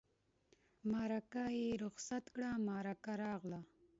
مرکه یې رخصت کړه مرکه راغله.